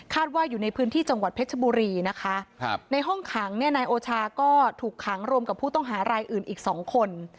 ว่าอยู่ในพื้นที่จังหวัดเพชรบุรีนะคะในห้องขังเนี่ยนายโอชาก็ถูกขังรวมกับผู้ต้องหารายอื่นอีก๒คน